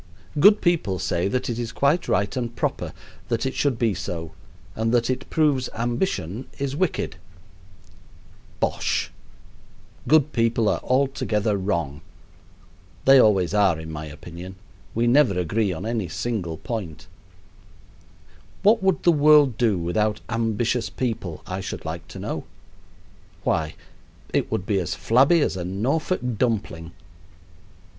Good people say that it is quite right and proper that it should be so, and that it proves ambition is wicked. Bosh! Good people are altogether wrong. (They always are, in my opinion. We never agree on any single point.) What would the world do without ambitious people, I should like to know? Why, it would be as flabby as a Norfolk dumpling.